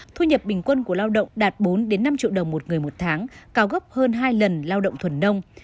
thu nhập bình quân của lao động đạt bốn năm triệu đồng một người một tháng cao gấp hơn hai lần lao động thuần nông